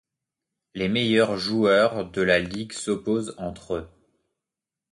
Les meilleurs joueurs de la ligue s'oppose entre eux.